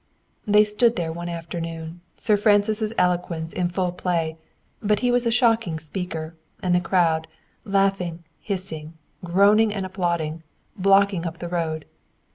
They stood there one afternoon, Sir Francis' eloquence in full play, but he was a shocking speaker, and the crowd, laughing, hissing, groaning and applauding, blocking up the road.